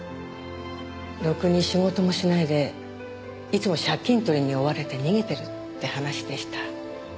ろくに仕事もしないでいつも借金取りに追われて逃げてるって話でした。